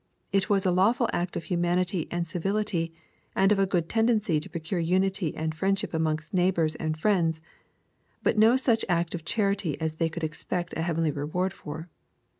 It was a lawful act of humanity and civility, and of a good tendency to procure unity and friend ship amongst neighbors and friends, but no such act of charity as they could expect a heavenly reward for.